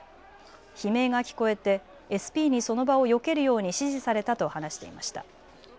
悲鳴が聞こえてＳＰにその場をよけるように指示されたと話していました。